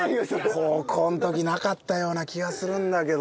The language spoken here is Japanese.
高校の時なかったような気がするんだけどな。